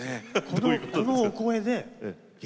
このお声で。